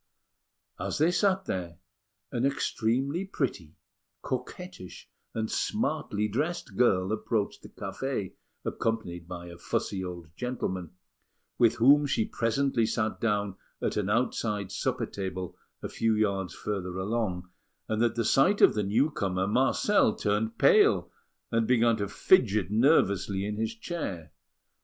As they sat there, an extremely pretty, coquettish, and smartly dressed girl approached the café, accompanied by a fussy old gentleman, with whom she presently sat down at an outside supper table a few yards further along; and at the sight of the newcomer, Marcel turned pale, and began to fidget nervously in his chair.